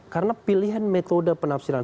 karena pilihan metode penafsiran